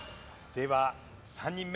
では３人目。